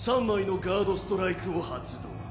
３枚のガード・ストライクを発動。